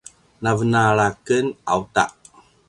na venala ken auta